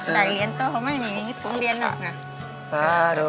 รายเรียนโต่ออกมายังไม่มีมีกินโรงเรียนนะ